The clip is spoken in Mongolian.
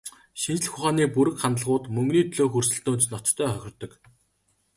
Шинжлэх ухааны бүрэг хандлагууд мөнгөний төлөөх өрсөлдөөнд ноцтой хохирдог.